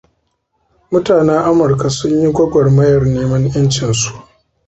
Mutanen Amurka sun yi gwagwarmayar neman 'yancinsu.